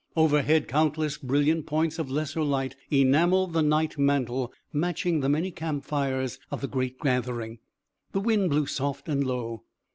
Overhead countless brilliant points of lesser light enameled the night mantle, matching the many camp fires of the great gathering. The wind blew soft and low.